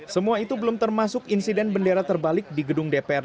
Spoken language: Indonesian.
semua itu belum termasuk insiden bendera terbalik di gedung dpr